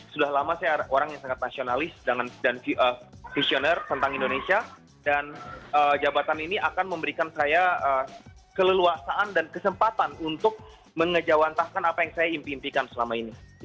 sudah lama saya orang yang sangat nasionalis dan visioner tentang indonesia dan jabatan ini akan memberikan saya keleluasaan dan kesempatan untuk mengejawantahkan apa yang saya impikan selama ini